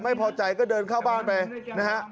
ไม่พอใจก็เดินเข้าบ้านไปนะฮะ